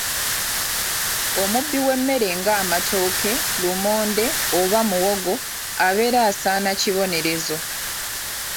"Omubbi w’emmere ng’amatooke, lumonde oba muwogo abeera asaana kibonerezo."